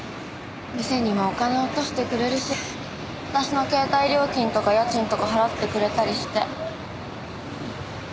店にはお金落としてくれるし私の携帯料金とか家賃とか払ってくれたりして。